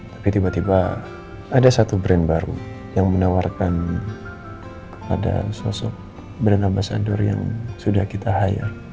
tapi tiba tiba ada satu brand baru yang menawarkan pada sosok brand ambasador yang sudah kita high